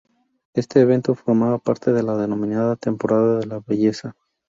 Este evento formaba parte de la denominada "Temporada de la Belleza".